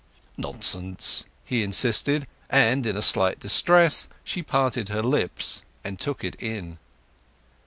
"Nonsense!" he insisted; and in a slight distress she parted her lips and took it in.